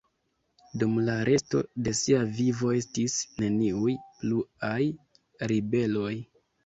Dum la resto de sia vivo estis neniuj pluaj ribeloj.